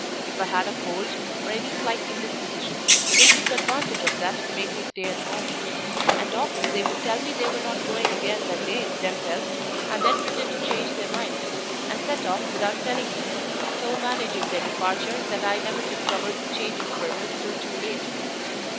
If I had a cold, or any slight indisposition, they took advantage of that to make me stay at home; and often they would tell me they were not going again that day, themselves, and then pretend to change their minds, and set off without telling me: so managing their departure that I never discovered the change of purpose till too late.